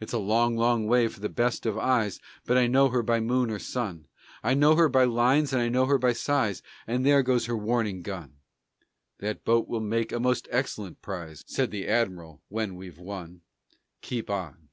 It's a long, long way for the best of eyes, But I know her by moon or sun, I know by her lines and I know her size And there goes her warning gun." "That boat will make a most excellent prize," Said the admiral, "when we've won. Keep on."